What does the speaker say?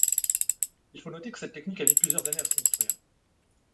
Il faut noter que cette technique a mis plusieurs années à se construire.